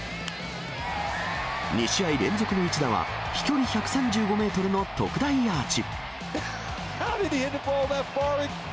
２試合連続の一打は、飛距離１３５メートルの特大アーチ。